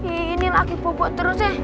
ini lagi pupuk terus ya